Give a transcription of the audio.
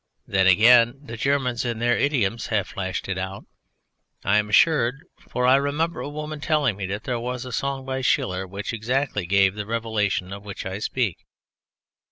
Then, again, the Germans in their idioms have flashed it out, I am assured, for I remember a woman telling me that there was a song by Schiller which exactly gave the revelation of which I speak.